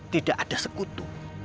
tidak ada sekutu